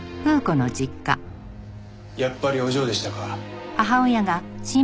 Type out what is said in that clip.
やっぱりお嬢でしたか。